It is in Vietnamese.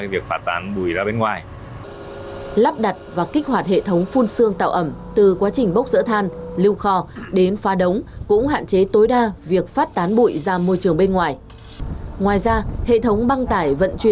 việc bảo đảm môi trường trong quá trình bốc dỡ than cũng là mối quan tâm hàng đầu của nhà máy